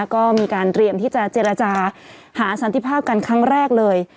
ก็มีการเตรียมที่จะเจรจาหาสันติภาพกันครั้งแรกเลย